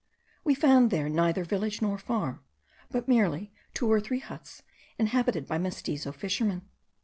We found there neither village nor farm, but merely two or three huts, inhabited by Mestizo fishermen.